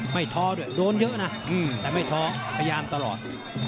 ท้อด้วยโดนเยอะนะแต่ไม่ท้อพยายามตลอด